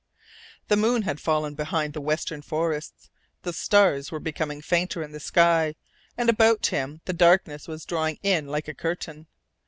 The moon had fallen behind the western forests; the stars were becoming fainter in the sky, and about him the darkness was drawing in like a curtain.